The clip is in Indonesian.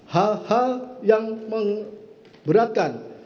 hal hal yang beratkan